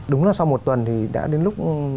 đúng là sau một tuần thì đã đến lúc